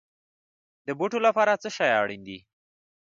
د بوټو لپاره څه شی اړین دی؟